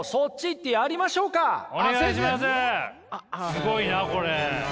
すごいなこれ。